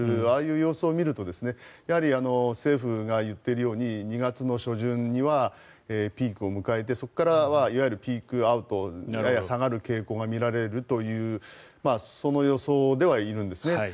ああいう様子を見るとやはり政府が言っているように２月の初旬にはピークを迎えてそこからはいわゆるピークアウトやや下がる傾向が見られるというその予想ではいるんですね。